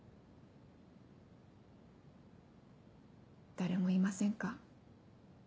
誰もいませんか？